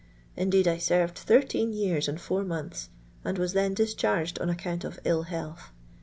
Indeed I serred thirteen years and four months, and was then discharged on account of ill health.